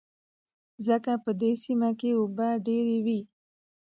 ځکه په دې سيمه کې اوبه ډېر وې.